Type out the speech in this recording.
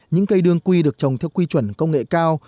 những cây đương quy được trồng theo quy chuẩn công nghệ cao